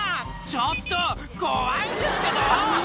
ちょっと怖いんですけど！